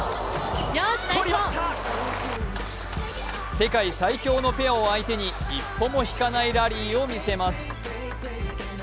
世界最強のペアを相手に一歩も引かないラリーを見せます。